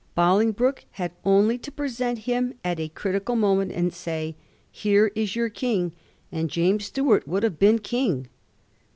Bolingbroke had only to present him at a critical moment, and say ^ Here is your king,' and James Stuart would have been king.